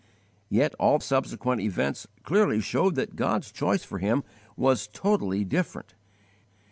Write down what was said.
Yet all subsequent events clearly showed that God's choice for him was totally different.